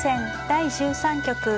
第１３局。